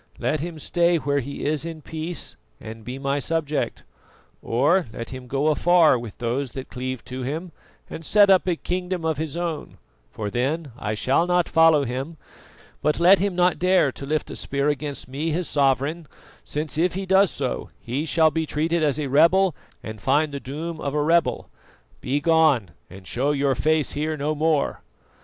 Let him stay where he is in peace, and be my subject; or let him go afar with those that cleave to him, and set up a kingdom of his own, for then I shall not follow him; but let him not dare to lift a spear against me, his sovereign, since if he does so he shall be treated as a rebel and find the doom of a rebel. Begone, and show your face here no more!"